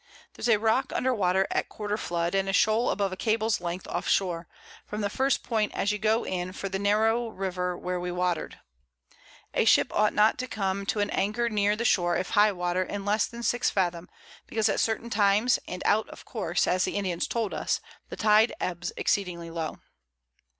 There's a Rock under Water at quarter Flood, and a Shoal above a Cable's Length off Shore, from the first Point as you go in for the narrow River where we water'd. A Ship ought not to come to an Anchor near the Shore, if High Water, in less than 6 Fathom, because at certain times, and out of course, as the Indians told us, the Tide ebbs exceeding low.